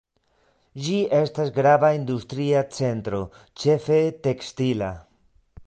Ĝi estas grava industria centro, ĉefe tekstila.